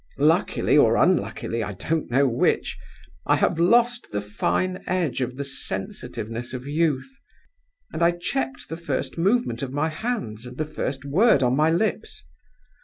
Luckily or unluckily, I don't know which, I have lost the fine edge of the sensitiveness of youth; and I checked the first movement of my hands, and the first word on my lips.